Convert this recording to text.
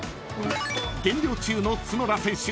［減量中の角田選手］